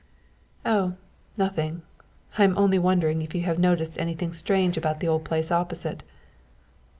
"Oh, nothing. I'm only wondering if you have noticed anything strange about that old place opposite."